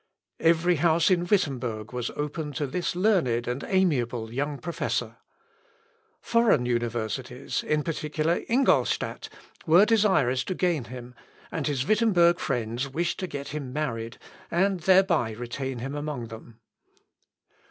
Every house in Wittemberg was open to this learned and amiable young professor. Foreign universities, in particular Ingolstadt, were desirous to gain him, and his Wittemberg friends wished to get him married, and thereby retain him among them.